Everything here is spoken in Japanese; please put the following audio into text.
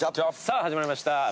さぁ始まりました。